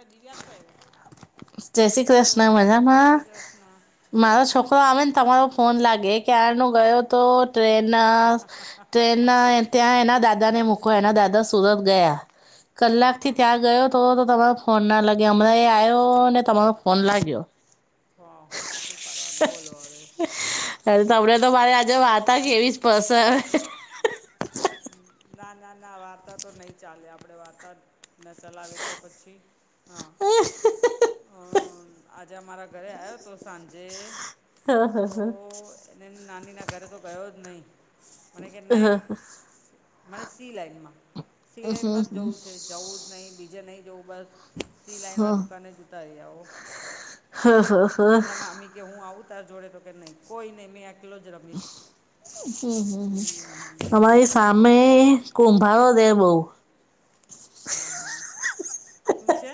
એ દલ્યાત પ એ જય શ્રી કૃષ્ણ મજામાં શ્રી કૃષ્ણ હો મારો છોકરો મજામાં આવેને તમારો ફોન લાગે ક્યારનો ગયો તો ટ્રેન ટ્રેન ના ત્યાં એના દાદાને મૂકો એના દાદા સુરત ગયા હા હા કલાકથી હા ત્યાં ગયો તો તો તમે ફોન ના લાગ્યા હમણાં એ આવ્યો ને તમારો ફોન લાગ્યો હા હા શું કરવાનું બોલો હવે અને તમને તો મારે આજે વાર્તા કેવીજ પરસે ના ના ના વાર્તા તો નહી ચાલે આપડે વાર્તા ના ચલાવે તો પછી હા હ આજે અમારા ઘરે આવ્યો હતો સાંજે તો એને નાની ના ઘરે તો ગયો જ નહી મને કે ન મ સી લાઈનમાં સી લાઈનમાં જ જવું છે જવું નહી બીજે નહી જવુ બસ સી લાઈન દુકાને જોતા રહ્યા હો એના મામી કે હું આવુ તાર જોડે તો કે નહી કોઈ નહી મેં એકલો જ રમીશ હમ્મ તમારી સામે કુંભારો રેબહુ હં હા તું છે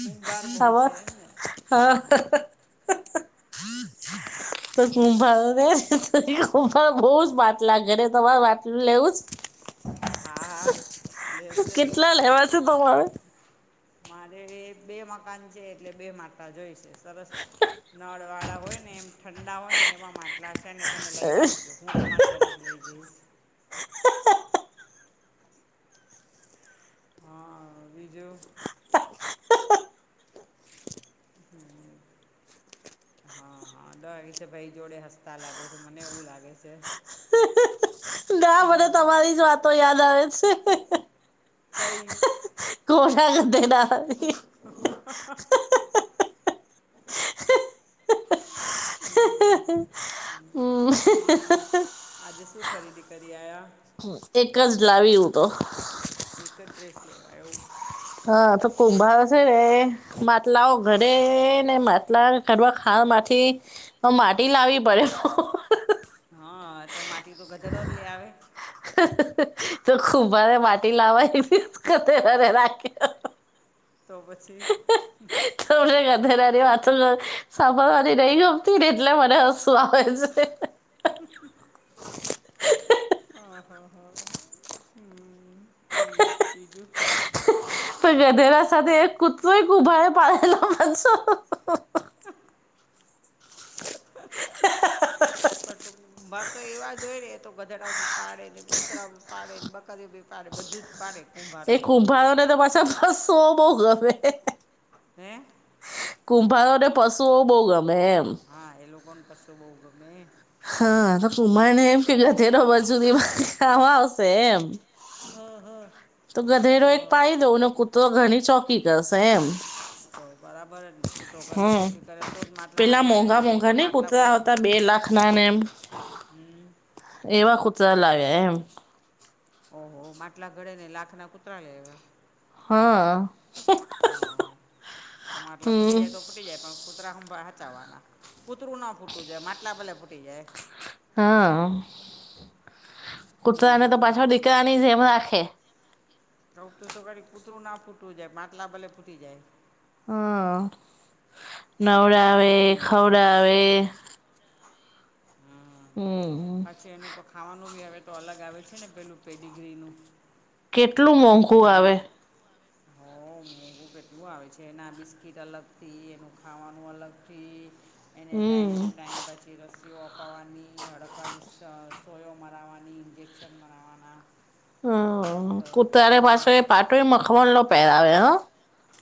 કુંભાર બહુ ખબર છે એમને હા હા હા તો કુંભાર ને કુંભાર બઉ જ માટલા ઘરે તમારે માટલું લેવું જ હા હા લેવુ શેને કેટલા [unintelligible] મારે એ બે મકાન છે એટલે બે માટલા જોઈ છે સરસ નળ વાળા હોય ને ને એમ ઠંડા હોય ને એવા માટલા છે અનેને તમે લઈ રાખજો હું તમારા ઘરે જ લઈ જઈશ હા બીજું હમ હા હા દાગ છે ભાઈ જોડે હસતા લાગો છો મને એવું લાગે છે એ [unintelligible] હા મને તમારી જ વાતો યાદ આવે છે કઈ ઘોડા ગધેડા ની હ [unintelligible] હમ, બીજું આજે શું ખરીદી કરી આવ્યા એક જ લાવી હુ તો એક ડ્રેસ લેવાયો હા તો કુંભાર છે ને માટલાઓ ઘરે ને માટલા કરવાઢ ખાવા માંથી તો માટી લાવવી પડે હા તો માટી તો ગધેડા લ ઈઆવે હા તો ખૂબવાારે માટી લવાય હતીતેરે રાખે તો પછી મને ગધેરાની વાતો સાંભળવાની નહીં ગમતી ને એટલે મને હસું આવે છે. હ હા હા હા હા હ ઠીકીજ તો ગધેર તો કુચય ક ઉભાડ પાડલા મસો હ. પણ તો માર તો એવા જો હોય ને તો ગધડા બી પાડે ને કૂતરા બી પાડે ને બકરીઓ બી પાડે બધું જ પાડે પુંભા એ ખુંભારોને તો પાછા સો બહ ગમે હે. કુંભારો ને પશુઓ બહુ ગમે એમ હા એેલો કોણ પશો બહુ ગમે હા તો કુમારને એમ કે વધેરોબ જુ આવા આવશે એમ હમ હમ. તો ગધેરો એક પાડી દઉંને કૂતરો ઘણી ચોકી કરશે એમ તો બરાબર ને કૂતરો ઘરની હમ કરે તો જ માટલા પેલા હાજર રહે ને નહી તો માટલા કોઈને. આખના ને એમ. હમ. એવા કુતરા લાગે એમ. ઓહો માટલા ઘડે ને લાખ ના કુતરા લ એ હા. હ તમા માટલા ફૂટી હમ જાય તોર ફૂટી જાય પણ કૂતરાા હચવાના કૂતરું ના ફૂટું જાય માટલા બલે ફૂટી જાય હા કૂતરાને તો પાછળ હમ દીકરા નહીં છે એમ રાખે સતું તો ઘડી કૂતરું ના ફૂટવું જાય માટલા ભલે ફૂટી જાય હ નવરા આવે હમ ખવડ હમ આવે હમ હા પછી એનું તો ખાવાનું બી હવે તો અલગ આવે છે ને પેલું પેડીગ્રીનું કેટલું મોંઘું આવે હમ. ું કેટલું આવે છે એના બિસ્કીટ અલગથી એનું ખાવાનું અલગથી એને ટાઈમ હમ ટુ ટાઈમ પછી રસીઓ આપ કપાવાની હડકવાની સ સોયો મરાવવાની ઇન્જેક્શન મરાવવાના બહુ હ કૂતારે એટલે બહુ પાસે પાટોળ મખમણનો પહેરાવે હ.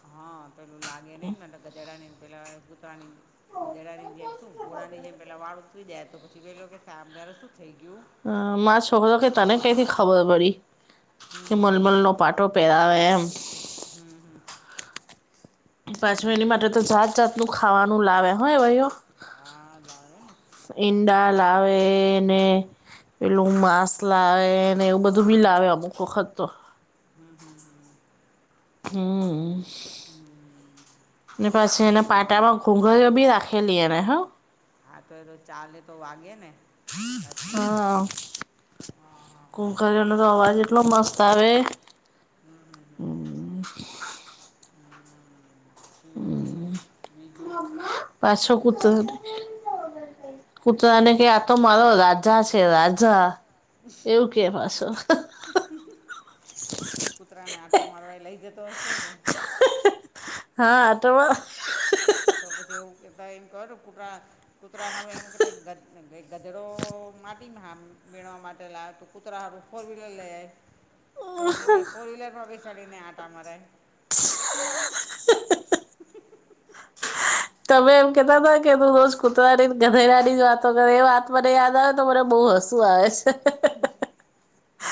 હા પેલું લાગે નહને ગધેડા ની પેલા કૂતરાની ગધડાની જેમ શું ઘોળાની જેમ પેલા વાળુંતરી જાય તો પછી પેલો કે સાામદાર શું થઈ ગયું. અ મા છોકરો કે તને કંથી ખબર પડી કે હમ મલમલ ન પાઠો પેલા હો. હમ હમ. પાંચ મિનિ માટે હમ તો જાત જાતનુંું ખાવાનું લાવે હોય ભાઈયો હા લાવે ને સારું ઈંડા સારું લાવે. પેલું માસલાને એવું બધું બિલાવે અમુક વખત તો હમ હમ હમ. હમ હમ હમ પછી એના હમ પાટામાં ઘૂઘરયો બી રાખે ખલ એને હ. હા તો એ ચાલે તો વાગે ને પાછું હા હા હા હા કુંક નો તો અવાજ એટલો મસ્ત આવે હમ હ છે બીજું પાછો કૂતને કૂત તને કે આતો મારો રાજ રાજા છે રાજા એવું કે પાછો કૂતરા ને આંટો મારવા એ લઈ જતો હશે ને હા તો તો પછી એવું કહેતા એમ કર કૂતરા કૂતરા હમે એમ કેતા ભાઈ ગધડો માટીમાં વણવા માટે લાવ તો કૂતરારું ફોર વ્હીલર લઈ જાય તો એને બે ફોર વ્હીલરમાં બેસાડીને આટામાંરે [inaudible] તમે એમ કેતા હતા કે તું રોજ કૂતરાનીને ગધેરાની જ વાતો કરે એ વાત મને યાદ આવે ને તો મરે બહુ હસું આવે છે મ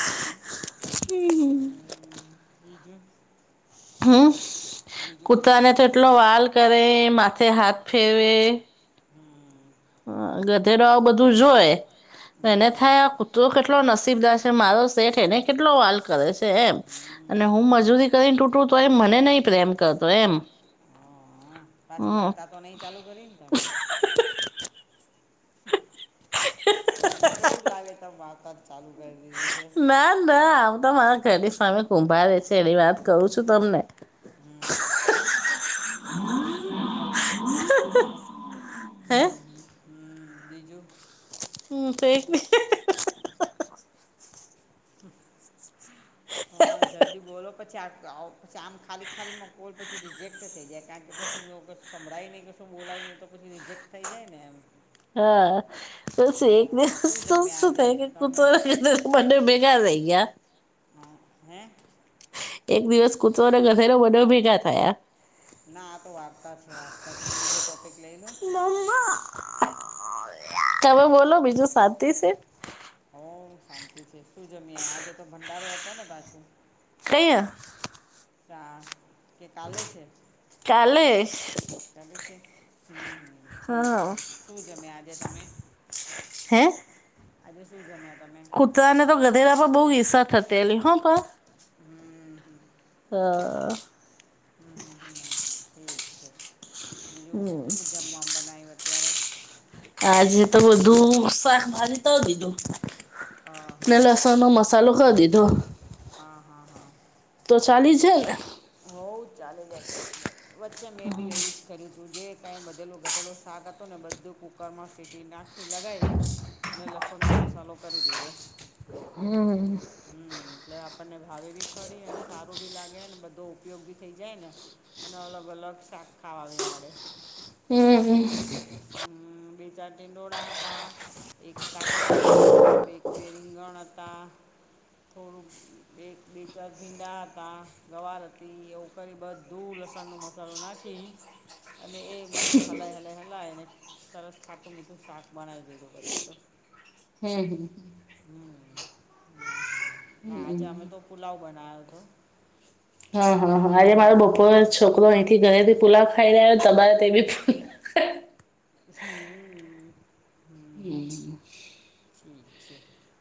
બીજો હમ બધું કૂતરાને તો મજામાં એટલો વાલ કરે માથે હાથ ફેરવે હમ હ ગધેરો આવ બધું જોય એને હમ થાય આ કૂતરો કેટલો નસીબદાર મારો શેઠ એને કેટલો વાલ કરે છે એમ અને હું મજૂરી કરીને તૂટું તો એ મને નહી પ્રેમ કરતો એમ હ પાછી હમ વાગતા તો નહી ચાલુ કરીને તમે મને તો એવું લાગે તમ વાર્તા. ચાલુ કરી દીધી છે ના ના આમ તો મારા ઘરની સામે કુંભારે છે એની વાત કરું છું તમને હમ હે નજો હમ થઈને [inaudible] હ હં જલ્દી બોલો પછી આ આવ પછી આમ ખાલી ખાલીમાં કોલ પછી રિજેક્ટ થઈ જાય કારણ કે પછી હું સંભળાય નહીં ક શું બોલાય નહીં તો પછી રિજેક્ટ થઈ જાય ને એમ હા. તો શું હા છે શું જમ્યા શું આજે થાય તમે ને બંનેવ ભેગા થઈ ગયા. હ હે. એક દિવસ કૂતરો અને ગધેરો બંનેવ ભેગા થયા. ના આ તો વાર્તા છે, વાર્તા તમે બીજો ટોપિક લઈ લો. મમ્મા, તમે બોલો બીજું શાંતિ છે. હોવ શાંતિ છે શું જમી્યા આજે તો ભંડારો હતો ને પાછું. ક્યાં. ત્યાં કે કાલે છે. ચાલીસ. ચાલે છે હમ હ. ઠીક હા છે શું જમ્યા આજે તમે. હે આજે શું જમ્યા તમે. કૂતરાને તો ગધેરા પર બહુ ઇર્ષા થતી એલી હં પ. હમ હ. હા હ. હમ હ હમ ઠીક છે બીજું શું જમવામાં બનાયું અત્યારે. આજે તો બધું શાકભાજી તો દીધું હા ને હા લસ. સણનો મસાલો ક દીધો. હા હા હા તો ચાલી જાય ને હોઉ ચાલી જાય ચાલી જાય વચ્ચે મેં બી એવું જ કર્યું હતું જે કાંઈ બધેલું ઘટેલું શાક હતો ને બધું કુકરમાં સીટી નાખી લગાય અને લસણનો મસાલો કરી દીધો હમ હમ્મ એટલે આપણને ભાવિ ભી ખરી એ સારું બી લાગે ને બધું તો ઉપયોગ બી થઇ જાય ને અને અલગ અલગ શાક ખાવા બી મળે. હમ્મ. હમ્મ બે ચાર ટિડોળા હતા. એક કાચું કેળું હતું એક બે રીંગણ હતા. થોડુંક બે બે ચાર ભીંડા હતા ગવાર હતા. તી એવું કરી બધું લસણ નો મસાલો નાખી. અને એ મસ્ત હલાય હલાય હલાય ને સરસ ખાટું મીઠું શાક બનાવી દીધું પછી તો. હમ્મ. હમ્મ હ આજે અમે તો પુલાવ બનાવ્યો હતો. હા હા હા આજે હમ મારો બપોરે છોકરો અહીંથી ઘરેથી પુલાવ ખાઈ રહ્ય તમારે તે બી હમ્મ હ હમ્મ. ઠીક છે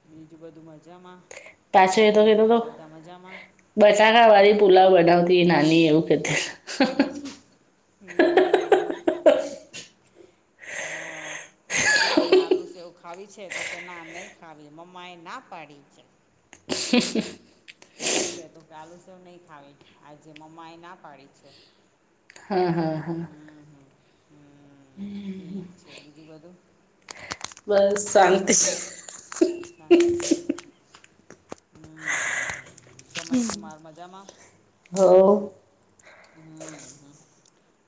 બીજું બધું મજામાં આટી અંકલ બધા મજામાં. બસાાકા વાળી પુલાવ બનાવતી એ નાની એવું કતી. હું હું હું હા હા. મેં કીધું એને આલુ સવું ખાવી છે તો કે ના નહીં ખાવી મમ્મા એ ના પાડી છે. [inaudible] એવું કહેતો કે આલું સવ નહીં ખાવી આજે મમ્મા એ ના પાડી છે. હા હા. હમ્મ હ હ ઠીક છે બીજું બધું. બસ શાંતિ શાંતિ છે ને. હમ્મ હ જમાય કુમાર મજામાં. હો હમ્મ હ.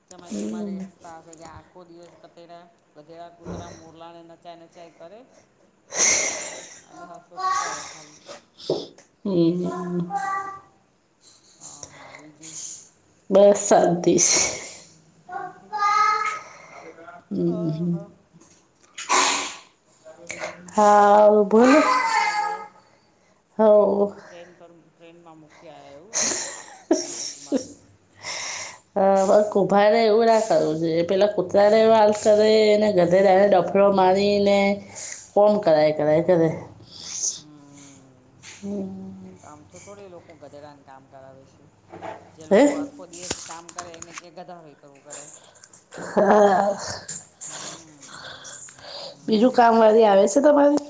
જમાયકુમારી હસતા હશે કે આખો દિવસ કતેડા વધેરા કૂતરા મોરલાને નચાય નચાય કર. અને હા સ્વસ્થ કર ખાલી. હમ. હા હા બીજું. બસ શાંતિ છ તંત. હ. ગયા હા તમારા સસરા ગયા. હોવ ટ્રેન કરું ટ્રેનમાં મૂકી આયા એવું ને પ્રનયકુમાર. હહ કુભાડને એવું ના કરવું જોઈએ પેલા કૂતરાને એવા આલ સ હવે એને ગધેડાને ડફો ડો મારીને કોમ કરાય હમ હમ કરાય કરે. હમ હમ આમ તો થોડી એ લોકો ગધેડાને કામ કરાવે છે જે હે લોકો આ આખો દિવસ કામ કરે એને કેધા ધાવ એ કરું કરે. હા હમ બીજું કામવાળી આવે સે તમારી?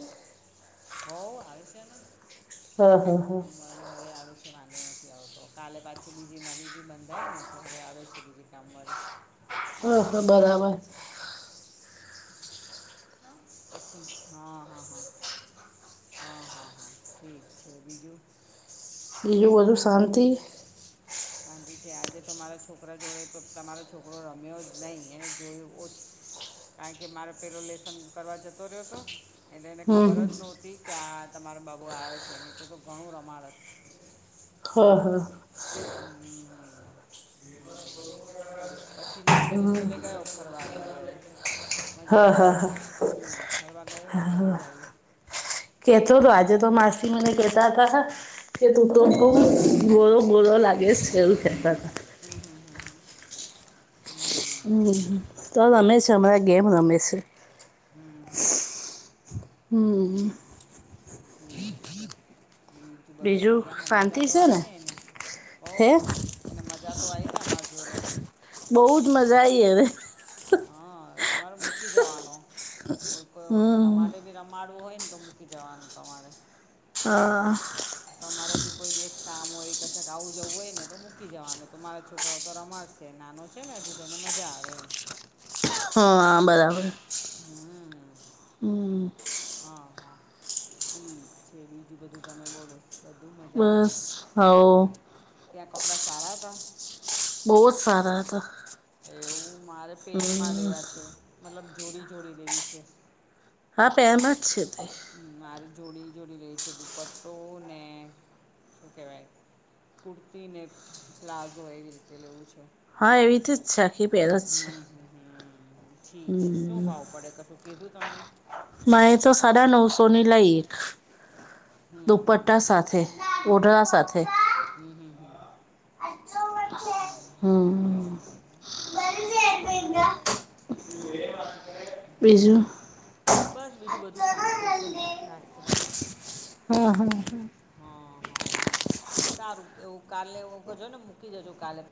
હોવ આવે સે ને. હહ હહ કામવાળી. એ હવે આવે છે વાંધો નથી આવતો. કાલે પાછી બીજી નવી બી બંધાય ને એટલે હવે આવે છે બીજી કામવાળી. હહ હહ બરાબર. હહ પસી હહ હહ હહ હહ. હા હા હા ઠીક છે બીજું? બીજું બધું શાંતિ? શાંતિ છે આજે તો મારા છોકરા જોડે તો તમારો છોકરો રમ્યો જ નહીં એને જોયું [inaudible] કારણ કે મારે પેલો લેસન કરવા જતો રહ્યો તો. એટલે એને હમ ખબર હમ. જ નોતી કે આ તમારો બાબો આયો છે નહીં તો તો ઘણું રમાડત. હહ હહ હમ હમ પછીલ છેલ્લે છેલ્લે ગયો ફરવા એન જોડે. મજા હા આઈ હા ગઈ હા હમ ફરવા ગયો ને એટલે મજા આઈ. કેતો તો આજે તો માસી મને કેતા હતા તા. કે તું તો બહુ બોલો બોલો લાગે છ એવું કેતા તા. હમ હમ હમ હમ હમ તો હમ રમે છે હમણાં ગેમ રમે છે. હમ હમ હમ હમ ઠીક છે બીજું બધું મજામાં? મજા શાંતિ તો છે ને આઈને એને હોવ હે શાંતિ. એને મજા તો આઈને અમાર જોડે? બહુ જ મજા આઈ એને. હહ તમારે મૂકી જવાનો કોઈ કોઈ વખત હમ અમારે બી રમાડવો હોય ને તો મુક કી જવાનું તમારે. હહ તમારે બી કોઈ દિવસ કામ હોય કશેક આવું જવું હોય ને તો મૂકી જવાનું તો મારા છોકરાઓ તો રમાડશે નાનો છે ને હજુ તો એને મજા આવે એમ. હહ આ બરાબર. હમ હમ્મ હહ હહ ઠીક છે. બીજું બધું તમે બોલો? બધું મજામાં? બસ હવ ત્યાં કપડાં સારા હતા? બહુ જ સારા હતા. એવું મારે પેરમાં લેવા છે. મતલબ જોડી જોડી લેવી છે. હા પેરમાં જ છે તે. હમ મારી જોડીને જોડી લેવી છે દુપટ્ટોને શું કેવાય કુર્તીને પ્લાઝો એવી રીતે લેવું છે. હા, એવીથી જ છે આખી પેરજ છે. હમ હમ હમ ઠીક છે, શું ભાવ પડે કશું કીધું તમને. માઇ તો સાડા નવસો ની લઈ એક, હમ હમ હમ દુપટ્ટા સાથે. ઓઢણા સાથે. હમ્મ હમ્મ હમ્મ. હમ્મ [inaudible] બસ બીજું બધું શાંતિ છે [unintelligible] હમ્મ હમ્મ હમ્મ હા હ હા, સારું એવું કાલે એવું કરજો ને મૂકી જજો કાલે.